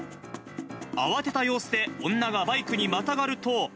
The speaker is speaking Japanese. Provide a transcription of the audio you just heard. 慌てた様子で女がバイクにまたがると。